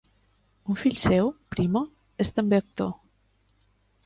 Un fill seu, Primo, és també actor.